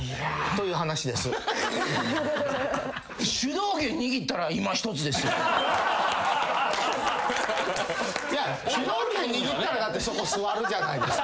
いや主導権握ったらそこ座るじゃないですか。